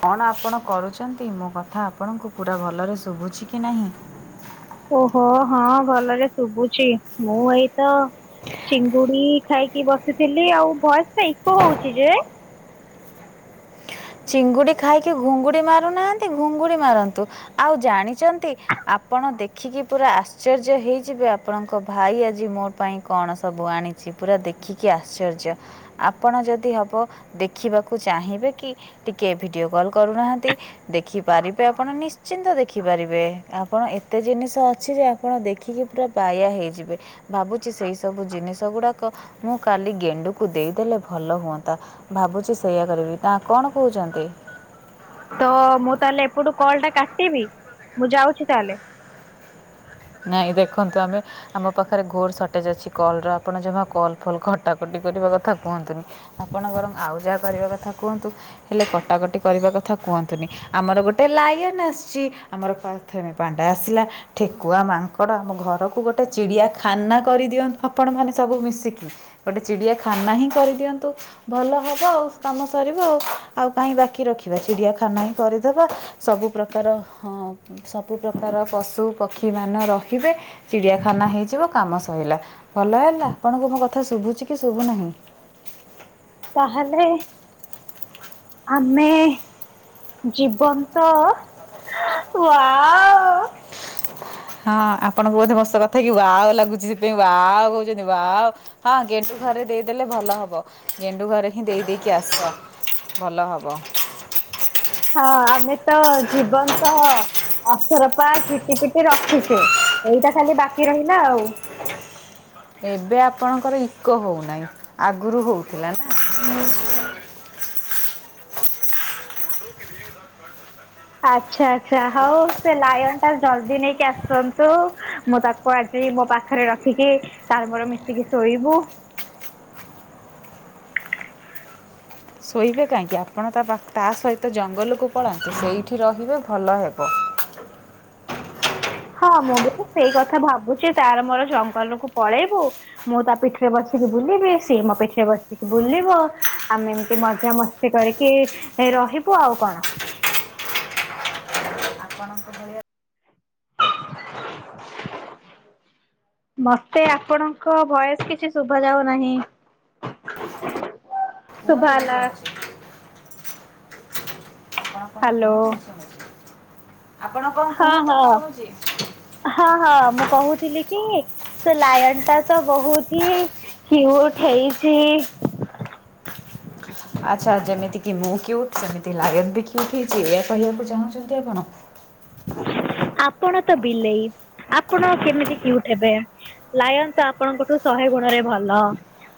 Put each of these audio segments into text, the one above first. କଣ ଆପଣ କରୁଛନ୍ତି ମୋ କଥା ଆପଣଙ୍କୁ ପୁରା ଭଲରେ ଶୁଭୁଛି କି ନାହିଁ? ଓହୋ ହଁ ଭଲରେ ଶୁଭୁଛି ମୁଁ ଏଇ ତ ଚିଙ୍ଗୁଡି ଖାଇକି ବସିଥିଲି ଆଉ ଭଏସ ଟା ଇକ ହଉଛି ଯେ ଚିଙ୍ଗୁଡି ଖାଇକି ଘୁଙ୍ଗୁଡ଼ି ମାରୁନାହାନ୍ତି ଘୁଙ୍ଗୁଡ଼ି ମାରନ୍ତୁ। ଆଉ ଜାଣିଛନ୍ତି ଆପଣ ଦେଖିକି ପୁରା ଆସ ଆଶ୍ଚର୍ଯ୍ୟ ହେଇଯିବେ ଆପଣଙ୍କ ଭାଇ ଆଜି ମୋ ପାଇଁ କଣ ସବୁ ଆଣିଛି ପୁରା ଦେଖିକି ଆଶ୍ଚର୍ଯ୍ୟ। ଆପଣ ଯଦି ହବ ଦେଖିବାକୁ ଚାହିଁବେ କି? ଟିକେ ଭିଡ଼ିଓ କଲ୍ କରୁନାହାନ୍ତି। ଦେଖିପାରିବେ ଆପଣ ନିଶ୍ଚିନ୍ତ ଦେଖିପାରିବେ, ଆପଣ ଏ ଏତେ ଜିନିଷ ଅଛି ଯେ ଆପଣ ଦେଖିକି ପୁରା ବାୟା ହେଇଯିବେ। ଭାବୁଛି ସେଇ ସବୁ ଜିନିଷ ଗୁଡାକ ମୁଁ କାଲି ଗେଣ୍ଡୁକୁ ଦେଇଦେଲେ ଭଲ ହୁଅନ୍ତା। ଭାବୁଛି ସେଇଆ କରିବି ନା କଣ କହୁଛନ୍ତି? ତ ମୁଁ ତାହେଲେ ଏପଟୁ କଲ ଟା କାଟିବି, ମୁଁ ଯାଉଛି ତାହେଲେ। ନାଇଁ ଦେଖନ୍ତୁ ଆମେ ଆମ ପାଖରେ ଘୋର ସର୍ଟେଜ୍ ଅଛି କଲ୍ ର ଆପଣ ଜମା କଲ୍ ଫଲ୍ କଟାକଟି କରିବା କଥା କୁହନ୍ତୁନି। ଆପଣ ବରଂ ଆଉ ଯାହା କରିବା କଥା କୁହନ୍ତୁ ହେଲେ କଟାକଟି କରିବା କଥା କୁହନ୍ତୁନି। ଆମର ଗୋଟେ ଲାଇନ ଆସିଛି ଆମର ପ୍ରଥମେ ପଣ୍ଡା ଆସିଲା ଠିକ [unintelligible] ମାଙ୍କଡ଼ ଆମ ଘରକୁ ଗୋଟେ ଚିଡ଼ିଆଖାନା କରିଦିଅନ୍ତୁ ଆପଣମାନେ ସବୁ ମିଶିକି। ଗୋଟେ ଚିଡ଼ିଆଖାନା ହିଁ କରିଦିଅନ୍ତୁ। ଭଲ ହବ ଆଉ କାମ ସରିବ ଆଉ ଆଉ କାହିଁ ବାକି ରଖିବା ଚିଡିଆଖାନା ହିଁ କରିଦବା। ସବୁ ପ୍ରକାର ହଁ ସବୁ ପ୍ରକାର ପଶୁ ପକ୍ଷୀ ମାନ ରହିବେ ଚିଡ଼ିଆଖାନା ହେଇଯିବ କାମ ସରିଲା। ଭଲ ହେଲା ଆପଣଙ୍କୁ ମୋ କଥା ଶୁଭୁଛି କି ଶୁଭୁନାହି? ତାହାଲେ ଆମେ ଜୀବନ୍ତ ୱାଉ [inaudible] ହଁ ଆପଣଙ୍କୁ ବୋଧେ [unintelligible] କଥା ୱାଅ ଲାଗୁଛି ସେଥିପାଇଁ ୱାଅ କହୁଛନ୍ତି ୱାଅ ହଁ ଗେଣ୍ଡୁ ଘରେ ଦେଇଦେଲେ ଭଲ ହବ ଗେଣ୍ଡୁ ଘରେ ହିଁ ଦେଇ ଦେଇକି ଆସ। ଭଲ ହବ। ହଁ ଆମେ ତ ଜୀବନ୍ତ ରପା ଝିଟି ପିଟି ରଖିଛେ ଏଇଟା ଖାଲି ବାକି ରହିଲା ଆଉ। ଏବେ ଆପଣଙ୍କର ଇକୋ ହଉନାହିଁ ଆଗରୁ ହଉଥିଲା ନା? ଆଚ୍ଛା ଆଚ୍ଛା ହଉ ସେ ଲାଇନ ଟା ଜଲଦି ନେଇକି ଆସନ୍ତୁ। ମୁଁ ତାକୁ ଆଜି ମୋ ପାଖରେ ରଖିକି ତାର ମୋର ମିଶିକି ଶୋଇବୁ। ଶୋଇବେ କାହିଁକି ଆପଣ ତା ପାଖ ତା ସହିତ ଜଙ୍ଗଲକୁ ପଳାନ୍ତୁ ସେଇଠି ରହିବେ ଭଲ ହେବ। ହଁ ମୁଁ ବି ତ ସେଇ କଥା ଭାବୁଛି ତାର ମୋର ଜଙ୍ଗଲ କୁ ପଳେଇବୁ। ମୁଁ ତା ପିଠିରେ ବସିକି ବୁଲିବି ସିଏ ମୋ ପିଠିରେ ବସିକି ବୁଲିବ। ଆମେ ଏମିତି ମଜ ମସ୍ତି କରିକି ରହିବୁ ଆଉ କଣ? ଆପଣଙ୍କ ଭଳିଆ [inaudible] ମତେ ଆପଣଙ୍କ ଭୟସ କିଛି ଶୁଭା ଯାଉନାହିଁ। [inaudible] ଶୁଭା ହେଲା [inaudible] ହ୍ୟାଲୋ। ଆପଣ କଣ ହଁ କୁହନ୍ତୁ? ମୁଁ ହଁ ଶୁଣୁଛି। ହଁ ହଁ ମୁଁ କହୁଥିଲି କି? ସେ ଲାୟନ ଟା ତ ବହୁତ ହି କ୍ୟୁଉଟ୍ ହେଇଛି। ଆଚ୍ଛା ଯେମିତି କି ମୁଁ କ୍ୟଉଟ ସେମିତି ଲାୟନ ବି କ୍ୟଉଟ୍ ହେଇଛି ଏଇଆ କହିବାକୁ ଚାହୁଁଛନ୍ତି ଆପଣ? ଆପଣ ତ ବିଲେଇ ଆପଣ କେମିତି କ୍ୟୁଉଟ୍ ହେବେ? ଲାୟନ ତ ଆପଣଙ୍କଠୁ ଶହେ ଗୁଣରେ ଭଲ।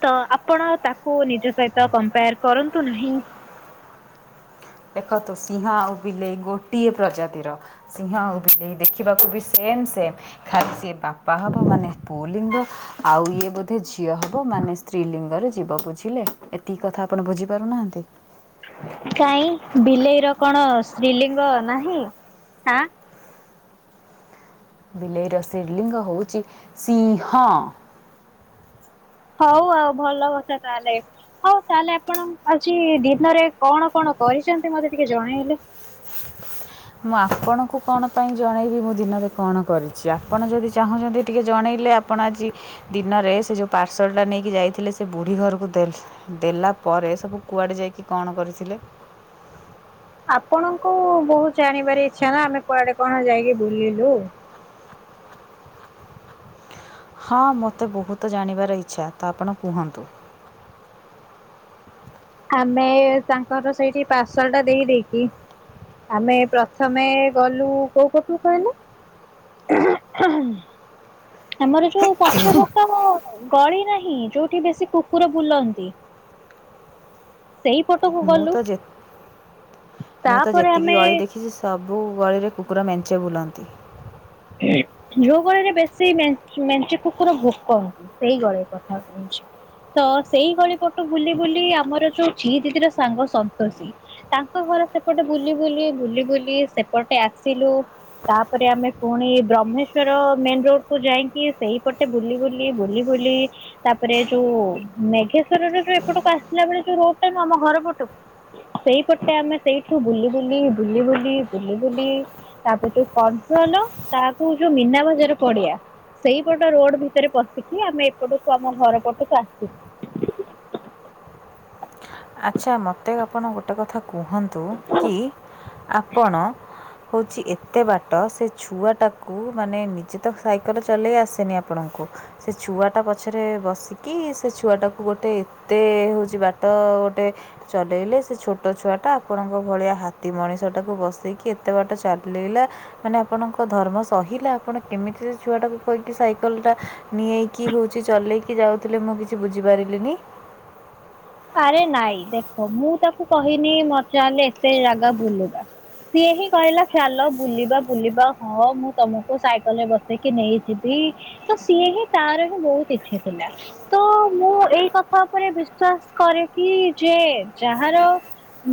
ତ ଆପଣ ତାକୁ ନିଜ ସହିତ କମ୍ପାୟାର କରନ୍ତୁ ନାହିଁ। ଦେଖନ୍ତୁ ସିଂହ ଆଉ ବିଲେଇ ଗୋଟିଏ ପ୍ରଜାତିର। ସିଂହ ଆଉ ବିଲେଇ ଦେଖିବାକୁ ବି ସେମ ସେମ୍। ଖାଲି ସିଏ ବାପା ହବ ମାନେ ପୁଲିଙ୍ଗ ଆଉ ଇଏ ବୋଧେ ଝିଅ ହବ ମାନେ ସ୍ତ୍ରୀ ଲିଙ୍ଗରେ ଯିବ। ବୁଝିଲେ ଏତିକି କଥା ଆପଣ ବୁଝି ପାରୁନାହାନ୍ତି? କାଇଁ ବିଲେଇ ର କଣ ସ୍ତ୍ରୀଲିଙ୍ଗ ନାହିଁ? ଆଁ ବିଲେଇ ର ଶ୍ରୀଲିଙ୍ଗ ହଉଛି ସିଂହ। ହଉ ଆଉ ଭଲ କଥା ତାହେଲେ। ହଉ ତାହେଲେ ଆପଣ ଆଜି ଦିନରେ କଣ କଣ କରିଛନ୍ତି ମତେ ଟିକେ ଜଣେଇଲେ? ମୁଁ ଆପଣଙ୍କୁ କଣ ପାଇଁ ଜଣେଇବି, ମୁଁ ଦିନରେ କଣ କରିଛି। ଆପଣ ଯଦି ଚାହୁଁଛନ୍ତି ଟିକେ ଜଣେଇଲେ, ଆପ ଆପଣ ଆଜି ଦିନରେ ସେ ଯେଉଁ ପାର୍ସଲଟା ନେଇକି ଯାଇଥିଲେ ସେ ବୁଢ଼ୀ ଘରକୁ ଦେଲେ ଦେଲା ପରେ ସବୁ କୁଆଡ଼େ ଯାଇକି କଣ କରିଥିଲେ? ଆପଣଙ୍କୁ ବହୁତ ଜାଣିବାରେ ଇଚ୍ଛା ନା ଆମେ କୁଆଡେ କଣ ଯାଇକି ବୁଲିଲୁ? ହଁ ମୋତେ ବହୁତ ଜାଣିବାର ଇଚ୍ଛା ତ ଆପଣ କୁହନ୍ତୁ? ଆମେ ତାଙ୍କର ସେଇଠି ପାର୍ସଲ ଟା ଦେଇ ଦେଇେକି ଆମେ ପ୍ରଥମେ ଗଲୁ କୋଉପଟୁକୁ କହିଲେ? ଆମର ଯୋଉ ପଛ ପଟ ଗଳି ନାହିଁ ଯୋଉଠି ବେଶୀ କୁକୁର ବୁଲନ୍ତି। ସେଇ ପଟକୁ ମୁଁ ଗଲୁ। ତ ଯେ ତାପରେ ଆମେ କିଛି ସବୁ ଗଳିରେ କୁକୁର ମେଞ୍ଚେ ବୁଲନ୍ତି। ଯଉଗଳିରେ ବେଶୀ ମେଞ୍ଚି ମେଞ୍ଚେ କୁକୁର ଭୁକନ୍ତି। ସେଇ ଗଳି କଥା କହୁଛି। ତ ସେଇ ଗଳି ପଟୁ ବୁଲି ବୁଲି ଆମର ଯୋଉ ଝିଦିଦିର ସାଙ୍ଗ ସନ୍ତୋଷୀ ତାଙ୍କ ଘର ସେପଟେ ବୁଲି ବୁଲି ବୁଲି ବୁଲି ସେପଟେ ଆସିଲୁ। ତାପରେ ଆମେ ପୁଣି ବ୍ରହ୍ମେଶ୍ଵର ମେନ ରୋଡ କୁ ଯାଇକି ସେଇପଟେ ବୁଲି ବୁଲି ବୁଲି ବୁଲି ତାପରେ ଯୋଉ ମେଘେଶ୍ଵରରେ ଯୋଉ ଏପଟକୁ ଆସିଲ ବେଳେ ଯୋଉ ରୋଡ ଟା ନୁଁଅ ଆମ ଘର ପଟକୁ ସେଇପଟେ ଆମେ ସେଇଠୁ ବୁଲି ବୁଲି ବୁଲି ବୁଲି ବୁଲି ବୁଲି ତାପରେ ଯୋଉ କଣ୍ଟ୍ରୋଲ ତାକୁ ଯୋଉ ମିନା ବଜାର ପଡିଆ ସେଇପଟ ରୋଡ ଭିତରେ ପଶିକି ଆମେ ଏପଟକୁ ଆମ ଘର ପଟକୁ ଆସିଲୁ। ଆଚ୍ଛା ମୋତେ ଆପଣ ଗୋଟେ କଥା କୁହନ୍ତୁ କି, ଆପଣ? ହଉଛି ଏତେ ବାଟ ସେ ଛୁଆଟାକୁ ମାନେ ନିଜେ ତ ସାଇକଲ ଚଲେଇ ଆସେନି ଆପଣଙ୍କୁ,। ସେ ଛୁଆଟା ପଛରେ ବସିକି ସେ ଛୁଆଟାକୁ ଗୋଟେ ଏତେ ହଉଛି ବାଟ ଗୋ [unintelligible] ଚଲେଇଲେ ସେ ଛୋଟ ଛୁଆଟା ଆପଣଙ୍କ ଭଳିଆ ହାତୀ ମଣିଷଟାକୁ ବସେଇକି ଏତେ ବାଟ ଚାଲିଲା ମାନେ ଆପଣଙ୍କ ଧର୍ମ ସହିଲା ଆପଣ କେମିତି ସେ ଛୁଆ ଟାକୁ କହିକି ସାଇକଲ ଟା ନିଆଇକି ହଉଛି ଚଲେଇକି ଯାଉଥିଲେ ମୁଁ କିଛି ବୁଝିପାରିଲିନି? ଆରେ ନାଇଁ ଦେଖ ମୁଁ ତାକୁ କହିନି ମ ଚାଲେ ଏତେ ଜାଗା ବୁଲିବା। ସିଏ ହିଁ କହିଲା ଚାଲ ବୁଲିବା ବୁଲିବା ହଁ ମୁଁ ତମକୁ ସାଇକେଲ ରେ ବସେଇକି ନେଇଯିବି। ତ ସିଏ ହିଁ ତାର ହିଁ ବହୁତ ଇଚ୍ଛା ଥିଲା ତ ମୁଁ ଏଇ କଥା ଉପରେ ବିଶ୍ବାସ କରେ କିି ଯେ ଯାହାର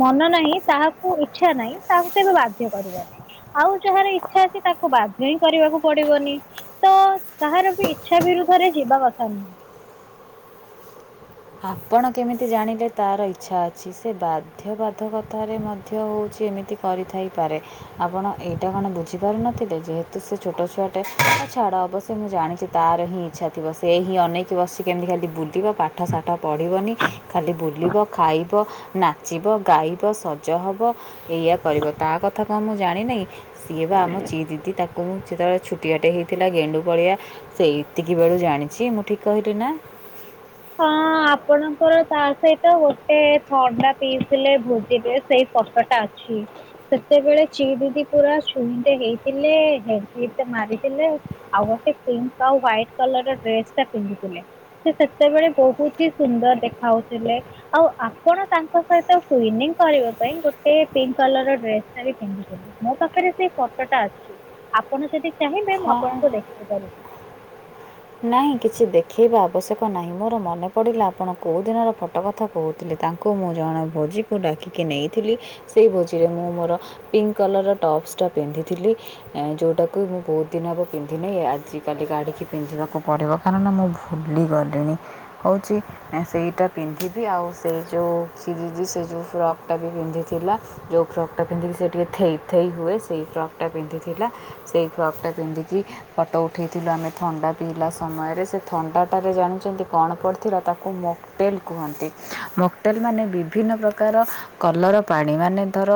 ମନ ନାହିଁ ତାହାକୁ ଇଛା ନାହିଁ ତାହାକୁ କେବେ ବାଧ୍ୟ କରିବନି। ଆଉ ଯାହାର ଇଚ୍ଛା ଅଛି ତାକୁ ବାଧ୍ୟ ହିଁ କରିବାକୁ ପଡିବନି। ତ କାହାର ବି ଇଚ୍ଛା ବିରୁଦ୍ଧରେ ଯିବା କଥା ନୁହେଁ। ଆପଣ କେମିତି ଜାଣିଲେ ତାର ଇଚ୍ଛା ଅଛି ସେ ବାଧ୍ୟବାଧକତାରେ ମଧ୍ୟ ହଉଛି ଏମିତି କରିଥାଇପାରେ? ଆପଣ ଏଇଟା କଣ ବୁଝିପାରୁିନଥିଲେ ଯେହେତୁ ସେ ଛୋଟ ଛୁଆଟେ ନ ଛାଡ଼ ଅବଶ୍ୟ ମୁଁ ଜାଣିଛି ତାର ହିଁ ଇଚ୍ଛାଥିବ ସେ ହିଁ ଅନେଇକୀ ବସିଛି କେମିତି ଖାଲି ବୁଲିବ ପାଠ ସାଠ ପଢ଼ିବନି ଖାଲି ବୁଲିବ ଖାଇବ ନା ନାଚିବ ଗାଇବ ସଜ ହବ ଏଇଆ କରିବ ତା କଥା କଣ ମୁଁ ଜାଣିନାଇଁ‌ ସିଏ ବା ଆମ ଚିଏ ଦିଦି ତାକୁ ମୁଁ ଯେତେବେଳେ ଛୁଟିଆଟେ ହେଇଥିଲା ଗେଣ୍ଡୁ ଭଳିଆ ସେଇତିକି ବେଳୁ ଜାଣିଛି ମୁଁ ଠିକ୍ କହିଲି ନା? ହଁ। ଆପଣଙ୍କର ତା ସହିତ ଗୋଟେ ଥଣ୍ଡା ପିଇଥିଲେ ଭୋଜିରେ ସେଇ ଫଟୋଟା ଅଛି। ସେତେବେଳେ ଚି ଦିଦି ପୁରା ଚୁଇଁଟେ ହେଇଥିଲେ ହେଡ୍ କ୍ଲିପ୍ଟେ ମାରିଥିଲେ। ଆଉ ଗୋଟେ ପିଙ୍କ୍ ଆଉ ହ୍ୱାଇଟ୍ କଲର ର ଡ୍ରେସ ଟା ପିନ୍ଧିଥିଲେ ସିଏ ସେ ସେତେବେଳେ ବହୁତ ହି ସୁନ୍ଦର ଦେଖାଯାଉଥିଲେ। ଆଉ ଆପଣ ତାଙ୍କ ସହିତ ଟୁଇନିଂ କରିବା ପାଇଁ ଗୋଟେ ପିଙ୍କ୍ କଲର ର ଡ୍ରେଶ୍ ଟା ବି ପିନ୍ଧିଥିଲେ। ମୋ ପାଖରେ ସେଇ ଫଟୋଟା ଅଛି ଆପଣ ଯଦି ଚାହିଁବେ ମୁଁ ହଁ ଆପଣଙ୍କୁ ଦେଖେଇ ପାରିବି। ନାହିଁ କିଛି ଦେଖେଇବା ଆବଶ୍ୟକ ନାହିଁ ମୋର ମନେ ପଡ଼ିଲା ଆପଣ କେଉଁ ଦିନର ଫଟୋ କଥା କହୁଥିଲେ। ତାଙ୍କୁ ମୁଁ ଜଣକ ଭୋଜିକୁ ଡାକିକି ନେଇଥିଲି ସେହି ଭୋଜିରେ ମୁଁ ମୋର ପିଙ୍କ୍ କଲର ର ଟପ୍ସଟା ପିନ୍ଧିଥିଲି। ଏ ଯୋଉଟାକୁ ମୁଁ ବହୁତ ଦିନ ହବ ପିନ୍ଧିନି ଆଜିିକାଲି କାଢିକି ପିନ୍ଧିବା କୁ ପଡ଼ିବ କାରଣ ମୁଁ ଭୁଲି ଗଲିଣି ହେଉଛି ସେଇଟା ପିନ୍ଧିବି ଆଉ ସେଇ ଯେଉ ଚିଲି ଦି ସେ ଯେଉ ଫ୍ରକ୍ ଟା ବି ପିନ୍ଧିଥିଲା ଯେଉଁ ଫ୍ରକ୍ ଟା ପିନ୍ଧିକି ସେ ଟିକେ ଥେଇ ଥେଇ ହୁଏ ସେଇ ଫ୍ରକ୍ ଟା ପିନ୍ଧିଥିଲା। ସେଇ ଫ୍ରକ୍ ଟା ପିନ୍ଧିକି ଫଟୋ ଉଠେଇଥିଲୁ ଆମେ ଖଣ୍ଡ ପିଇଲା ସମୟରେ ସେ ଥଣ୍ଡାଟାରେ ଜାଣିଛନ୍ତି କଣ ପଡ଼ିଥିଲା ତାକୁ ମୋକ୍ଟେଲ୍ କୁହନ୍ତି ମୋକ୍ ହୋଟେଲ୍ ମାନେ ବିଭିନ୍ନ ପ୍ରକାର କଲର ପାଣି ମାନେ ଧର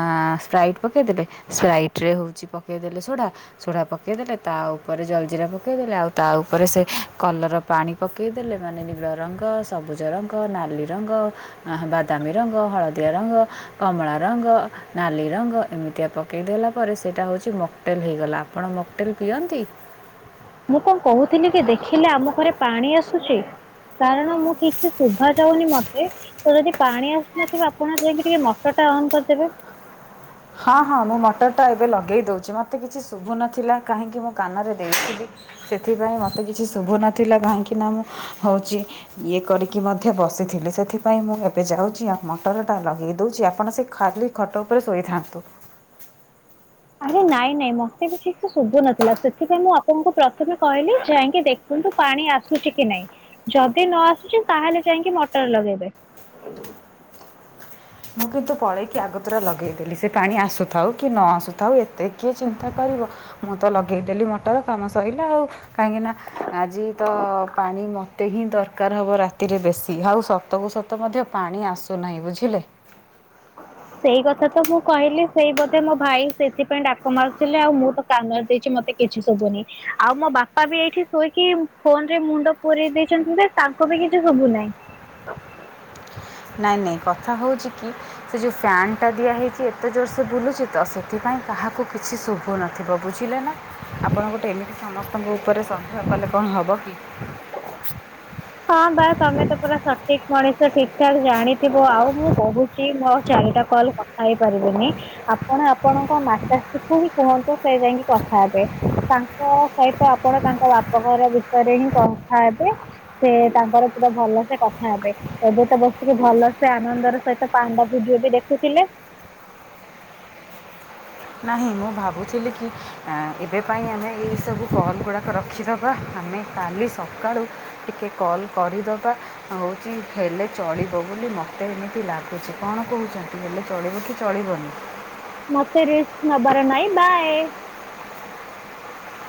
ଆ ସ୍ପ୍ରାଇଟ୍ ପକେଇଦେବେ ସ୍ପ୍ରାଇଟ୍ ରେ ହଉଛି ପକେଇଦେଲେ ସୋଡ଼ା ସୋଢା ପକେଇଦଲେ ତା ଉପରେ ଜଲ୍ଜିିରା ପକେଇଦେଲେ ଆଉ ତା ଉପରେ ସେ କଲର ପାଣି ପକେଇଦେଲେ ମାନେ ନୀଳ ରଙ୍ଗ, ସବୁଜ ରଙ୍ଗ, ନାଲି ରଙ୍ଗ ଆହା ବାଦାମୀ ରଙ୍ଗ, ହଳଦିଆ ରଙ୍ଗ, କମଳା ରଙ୍ଗ ନାଲି ରଙ୍ଗ ଏମିତିଆ ପକେଇଦେଲା ପରେ ସେଇଟା ହେଉଛି ମକ୍ଟେଲ୍ ହେଇଗଲା ଆପଣ ମକ୍ଟେଲ ପିଅନ୍ତି? ମୁଁ କଣ କହୁଥିଲି କି ଦେଖିଲେ ଆମ ଘରେ ପାଣି ଆସୁଛି କାରଣ ମୁଁ ଠିକ୍ ସେ ଶୁଭା ଯାଉନି ମତେ ତ ଯଦି ପାଣି ଆସୁନଥିବ ଆପଣ ଯାଇକି ଟିକେ ମଟର ଟା ଅନ୍ କରିଦେବେ। ହଁ ହଁ ମୁଁ ମଟର ଟା ଏବେ ଲଗେଇ ଦଉଛି ମତେ କିଛି ଶୁଭୁନଥିଲା କାହିଁକି ମୁଁ କାନରେ ଦେଇଛି ସେଥିପାଇଁ ମୋତେ କିଛି ଶୁଭୁ ନଥିଲା କାହିଁକି ନା ମୁଁ ହଉଛି ଇଏ କରିକି ମଧ୍ୟ ବସିଥିଲେ ସେଥିପାଇଁ ମୁଁ ଏବେ ଯାଉଛି ଆଉ ମଟରଟା ଲଗେଇ ଦଉଛି ଆପଣ ସେ ଖାଲି ଖଟ ଉପରେ ଶୋଇଥାନ୍ତୁ। ଆରେ ନାଇଁ ନାଇଁ ମତେ ବି ଠିକ୍ ସେ ଶୁଭୁନଥିଲା ସେଥିପାଇଁ ମୁଁ ଆପଣଙ୍କୁ ପ୍ରଥମେ କହିଲି ଯାଇକି ଦେଖ ଖନ୍ତୁ ପାଣି ଆସୁଛି କି ନାହିଁ ଯଦି ନ ଆସୁଛି ତାହେଲେ ଯାଇକି ମଟର ଲଗେଇଦେବେ। [unintelligible] ମୁଁ କିନ୍ତୁ ପଳେଇକି ଆଗତୁରା ଲଗେଇଦେଲି ସେ ପାଣି ଆସୁଥାଉ କି ନ ଆସୁଥାଉ ଏତେ କିଏ ଚିନ୍ତା କରିବ ମୁଁ ତ ଲଗେଇଦେଲି ମଟର କାମ ସରିଲା ଆଉ। କାହିଁକିନା ଆଜି ତ ପାଣି ମୋତେ ହିଁ ଦର ଦରକାର ହବ ରାତିରେ ବେଶୀ ଆଉ ସତକୁ ସତ ମଧ୍ୟ ପାଣି ଆସୁନାହିଁ ବୁଝିଲେ? ସେଇ କଥା ତ ମୁଁ କହିଲି ସେଇ ବୋଧେ ମୋ ଭାଇ ସେଥିପାଇଁ ଡାକ ମାରୁଥିଲେ ଆଉ ମୁଁ ତ କାନରେ ଦେଇଛି ମତେ କିଛି ଶୁଭୁନି ଆଉ ମୋ ବାପା ବି ଏଇଠି ଶୋଇକି ଫୋନ୍ରେ ମୁଣ୍ଡ ପୁରେଇ ଦେଇଛନ୍ତି ଯେ ତାଙ୍କୁ ବି କିଛି ଶୁଭୁ ନାହିଁ। ନାଇଁ ନାଇଁ କଥା ହଉଛି କି ସେ ଯୋଉ ଫ୍ୟାନ୍ ଟା ଦିଆ ହେଇଛି ଏତେ ଜୋର ସେ ବୁଲୁଛି ତ ସେଥିପାଇଁ କାହାକୁ କିଛି ସୁ ବୁନଥିବ ବୁଝିଲେ ନା ଆପଣ ଗୋଟେ ଏମିତି ସମସ୍ତଙ୍କ ଉପରେ ସନ୍ଦେହ କଲେ କଣ ହେବ କି? ହଁ ବା ତମେ ତ ପୁରା ସଠିକ ମଣିଷ ଠିକ ଠାକ ଜାଣିଥିବ ଆଉ ମୁଁ କହୁଛି ମୋ ଚାରିଟା କଲ୍ ପାଇପାରିବେନି ଆପଣ ଆପଣଙ୍କ ମାତାଶ୍ରୀକୁ ହିଁ କୁହନ୍ତୁ ସେ ଯାଇକି କଥା ହେବେ। ତାଙ୍କ ସହିତ ଆପଣ ତାଙ୍କ ବାପଘର ବିଷୟରେ ହିଁ କଥା ହେବେ। ସେ ତାଙ୍କର ପୁରା ଭଲ ସେ କଥା ହେବେ। ଏବେ ତ ବସିକି ଭଲସେ ଆନନ୍ଦର ସହିତ ପାଣ୍ଡା ଭିଡିଓ ବି ଦେଖୁଥିଲେ। ନାହିଁ ମୁଁ ଭାବୁଥିଲି କି ଏବେ ପାଇଁ ଆମେ ଏଇସବୁ କଲ ଗୁଡ଼ାକ ରଖିଦେବା ଆମେ କାଲି ସକାଳୁ ଟିକେ କଲ୍ କରିଦବା। ହଉଛି ହେଲେ ଚଳିବ ବୋଲି ମତେ ଏମିତି ଲାଗୁଛି କଣ କହୁଛନ୍ତି ହେଲେ ଚଳିବ କି ଚଳିବନି? ମତେ ରିସ୍କ ନବାର ନାହିଁ ବାଏ।